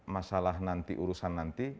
masalah nanti urusan nanti